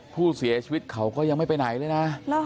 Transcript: ผู้เสียชีวิตเขาก็ยังไม่ไปไหนเลยนะ